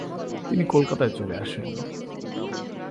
তিনি কলকাতায় চলে আসেন।